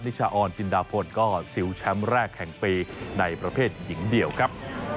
ชาออนจินดาพลก็สิวแชมป์แรกแห่งปีในประเภทหญิงเดี่ยวครับ